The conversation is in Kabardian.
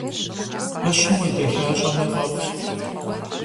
Ӏэщым уедэхащӏэмэ фӏэфӏщ.